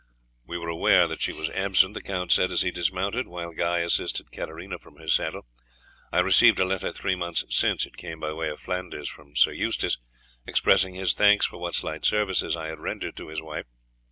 "We were aware that she was absent," the count said as he dismounted, while Guy assisted Katarina from her saddle. "I received a letter three months since; it came by way of Flanders from Sir Eustace, expressing his thanks for what slight services I had rendered to his wife.